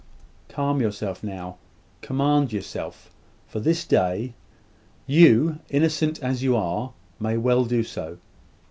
"Calm yourself now. Command yourself; for this day. You, innocent as you are, may well do so.